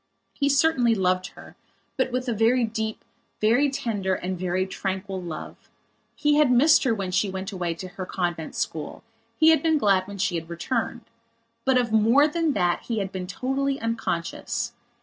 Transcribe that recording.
He certainly loved her, but with a very deep, very tender and very tranquil love. He had missed her when she went away to her convent school; he had been glad when she had returned. But of more than that he had been totally unconscious.